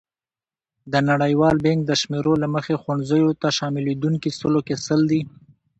د نړیوال بانک د شمېرو له مخې ښوونځیو ته شاملېدونکي سلو کې سل دي.